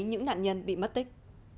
những nạn nhân bị mất tích